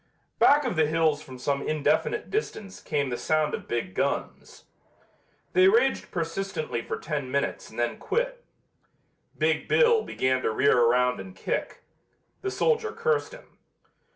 '" Back of the hills from some indefinite distance came the sound of big guns. They raged persistently for ten minutes and then quit. "Big Bill" began to rear around and kick. The soldier cursed him.